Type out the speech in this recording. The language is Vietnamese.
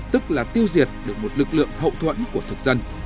tức là tiêu diệt được một lực lượng hậu thuẫn của thực dân